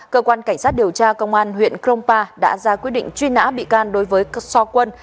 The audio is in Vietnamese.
cơ quan cảnh sát điều tra công an huyện krongpa đã ra quyết định truy nã bị can đối với so quân